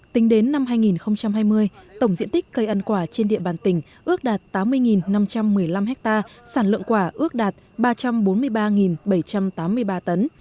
tính đến năm hai nghìn hai mươi tổng diện tích cây ăn quả trên địa bàn tỉnh ước đạt tám mươi năm trăm một mươi năm ha sản lượng quả ước đạt ba trăm bốn mươi ba bảy trăm tám mươi ba tấn